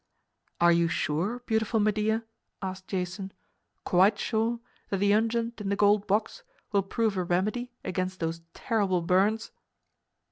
"Are you sure, beautiful Medea," asked Jason, "quite sure, that the unguent in the gold box will prove a remedy against those terrible burns?"